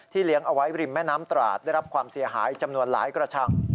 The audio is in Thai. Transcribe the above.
เลี้ยงเอาไว้ริมแม่น้ำตราดได้รับความเสียหายจำนวนหลายกระชัง